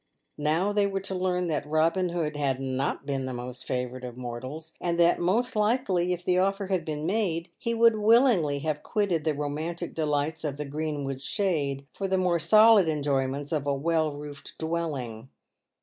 Now they were to learn that Eobin Hood had not been the most favoured of mortals, and that most likely, if the offer had been made him, he would willingly have quitted the romantic delights of the " greenwood shade " for the more solid enjoyments of a well roofed dwelling.